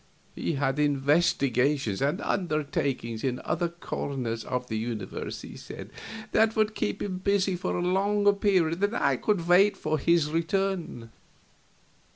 He had investigations and undertakings in other corners of the universe, he said, that would keep him busy for a longer period than I could wait for his return.